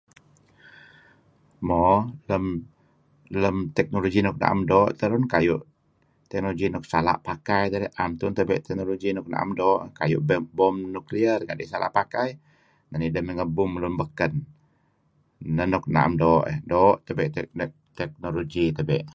Moo lem lem teknologi nuk na'em doo' terun, kayu' teknologi nuk sala' pakai, 'am tun tabe' teknologi nuk naem doo' kayu' bom nuklear kadi' sala' pakai neh ideh may ngebum lun baken. Neh nuk naem doo'. Doo' tabe' teknologi tabe'.